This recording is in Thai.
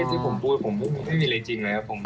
นี่ต้องพูดผมนี่เป็นอะไรจริงเลยครับผม